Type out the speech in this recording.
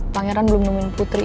pangeran belum nemuin putri